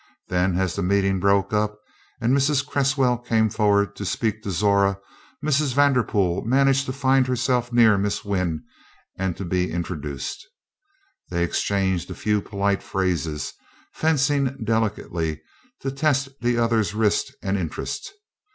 Then, as the meeting broke up and Mrs. Cresswell came forward to speak to Zora, Mrs. Vanderpool managed to find herself near Miss Wynn and to be introduced. They exchanged a few polite phrases, fencing delicately to test the other's wrist and interest.